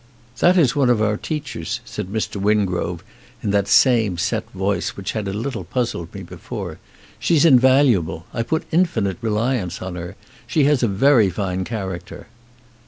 "That is one of our teachers," said Mr. Win grove in that same set voice which had a little puzzled me before. "She's invaluable. I put in finite reliance on her. She has a very fine char acter."